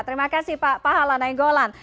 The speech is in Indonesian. terima kasih pak halana inggolan